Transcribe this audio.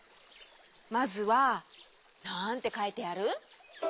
まずはなんてかいてある？